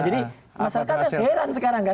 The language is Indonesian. jadi masyarakatnya heran sekarang kan